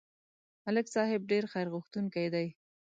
ملک صاحب ډېر خیرغوښتونکی دی.